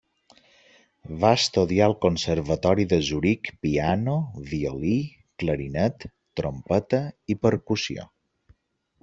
Va estudiar al Conservatori de Zuric piano, violí, clarinet, trompeta i percussió.